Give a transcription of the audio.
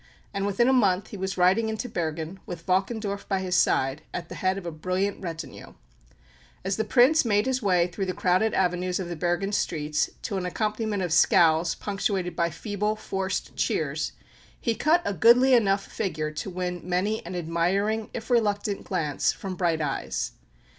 And within a month he was riding into Bergen, with Valkendorf by his side, at the head of a brilliant retinue. As the Prince made his way through the crowded avenues of the Bergen streets to an accompaniment of scowls punctuated by feeble, forced cheers, he cut a goodly enough figure to win many an admiring, if reluctant, glance from bright eyes.